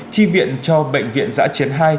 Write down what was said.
chi viện cho bệnh viện giã chiến hai